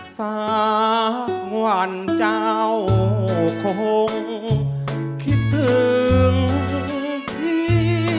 สร้างวันเจ้าคงคิดถึงที่